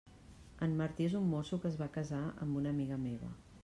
En Martí és un mosso que es va casar amb una amiga meva.